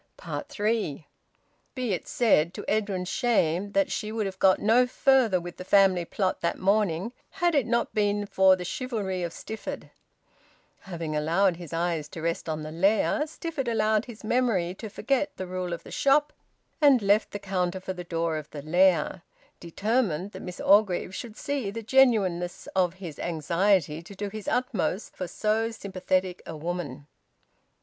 THREE. Be it said to Edwin's shame that she would have got no further with the family plot that morning, had it not been for the chivalry of Stifford. Having allowed his eyes to rest on the lair, Stifford allowed his memory to forget the rule of the shop, and left the counter for the door of the lair, determined that Miss Orgreave should see the genuineness of his anxiety to do his utmost for so sympathetic a woman.